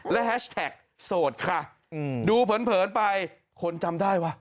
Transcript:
และแฮชแท็กโสดค่ะดูเผินไปคนจำได้ว่ะ